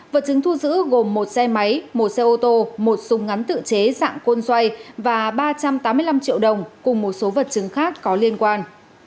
vật chứng thu giữ gồm một xe máy một xe ô tô một súng ngắn tự chế dạng côn xoay và ba trăm tám mươi năm triệu đồng cùng một số vật chứng khác có liên quan